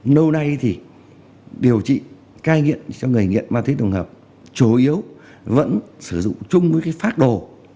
nâu nay thì điều trị ca nghiện cho người nghiện ma túy tổng hợp chủ yếu vẫn sử dụng chung với phác đồ